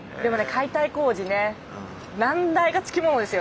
解体工事ね難題がつきものですよね。